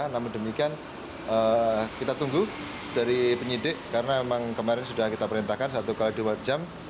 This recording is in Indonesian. namun demikian kita tunggu dari penyidik karena memang kemarin sudah kita perintahkan satu x dua jam